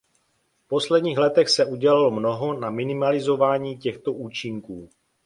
V posledních letech se udělalo mnoho na minimalizování těchto účinků.